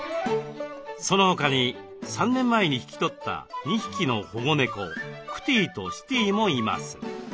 そのほかに３年前に引き取った２匹の保護猫クティとシティもいます。